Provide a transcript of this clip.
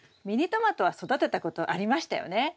ミニトマトは育てたことありましたよね？